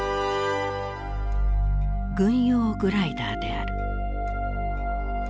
軍用グライダーである。